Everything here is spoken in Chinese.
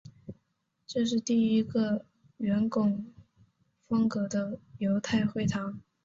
这是第一个圆拱风格的犹太会堂。